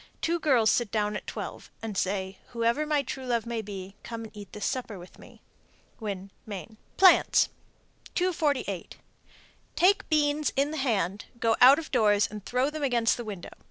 Two girls sit down at twelve, and say, "Whoever my true love may be, come and eat this supper with me." Winn, Me. PLANTS. 248. Take beans in the hand, go out of doors and throw them against the window.